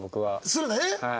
「する」だね。